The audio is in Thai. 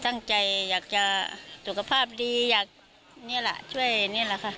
ตั้งใจอยากจะสุขภาพดีอยากนี่แหละช่วยนี่แหละค่ะ